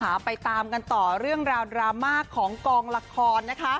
ไปตามกันต่อเรื่องราวดราม่าของกองละครนะคะ